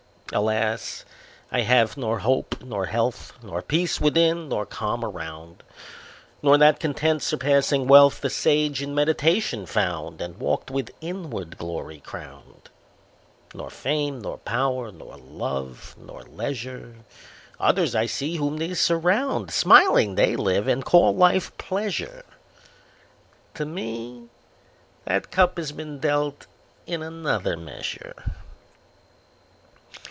Alas! I have nor hope nor health, Nor peace within nor calm around, Nor that content surpassing wealth The sage in meditation found, And walked with inward glory crowned Nor fame nor power, nor love, nor leisure, Others I see whom these surround Smiling they live, and call life pleasure; To me that cup has been dealt in another measure.